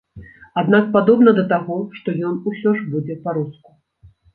Аднак падобна да таго, што ён усё ж будзе па-руску.